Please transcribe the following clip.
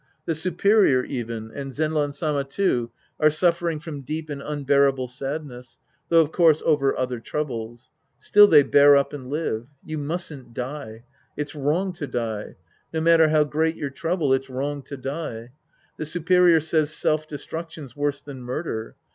The superior, even, and Zenran Sama, too, are suffering from deep and unbearable sadness, though, of course, over other troubles. Still they bear up and live. You mustn't die. It's wrong to die. No matter how great your trouble, it's wrong to die. The superior says self destruction's worse than murder.